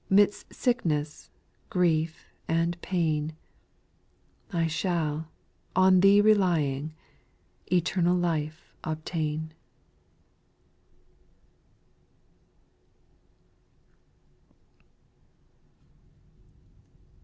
Midst sickness, grief and pain, 1 shall, on Thee relying, Eternal life obtain.